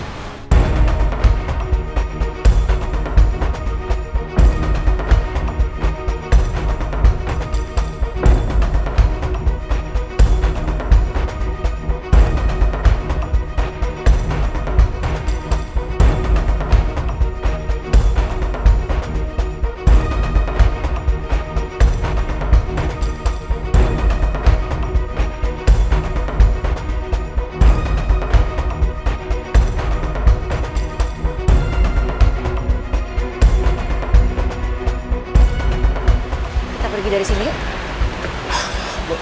kita pergi dari sini yuk